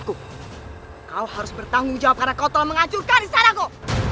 kau harus bertanggung jawab karena kau telah menghancurkan istanaku